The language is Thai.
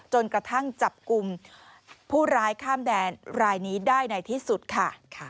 จนกระทั่งจับกลุ่มผู้ร้ายข้ามแดนรายนี้ได้ในที่สุดค่ะ